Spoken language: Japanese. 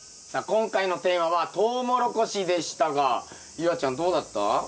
今回のテーマはトウモロコシでしたが夕空ちゃんどうだった？